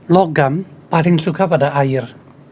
logam paling suka pada air